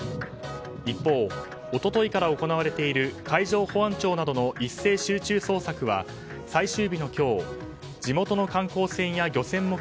一方、一昨日から行われている海上保安庁などの一斉集中捜索は最終日の今日地元の観光船や漁船も